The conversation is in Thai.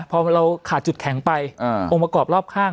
พอเราขาดจุดแข็งไปองค์ประกอบรอบข้าง